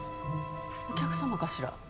お客様かしら。